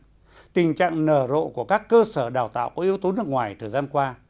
và tình trạng nở rộ của các cơ sở đào tạo của yếu tố nước ngoài thời gian qua